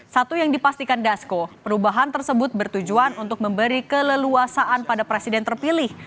satu yang dipastikan dasko perubahan tersebut bertujuan untuk memberi keleluasaan pada presiden terpilih